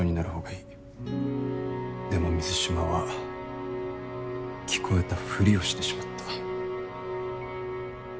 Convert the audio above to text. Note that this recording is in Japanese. でも水島は聞こえたふりをしてしまった。